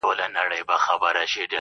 زر کلونه څه مستی څه خمار یووړل!!